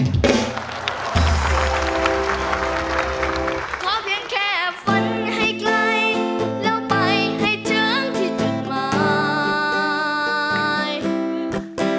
เพราะเพียงแค่ฝันให้ไกล